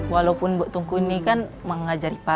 walaupun bu tungku ini kan mengajari pak